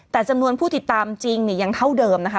แต่จำนวนผู้ติดตามจริงเนี่ยยังเท่าเดิมนะคะ